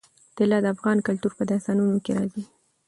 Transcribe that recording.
طلا د افغان کلتور په داستانونو کې راځي.